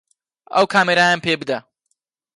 ئەو کامێرایەم پێ بدە.